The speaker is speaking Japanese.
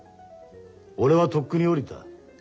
俺はとっくに降りた。